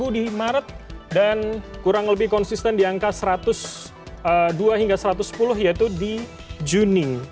satu di maret dan kurang lebih konsisten di angka satu ratus dua hingga satu ratus sepuluh yaitu di juni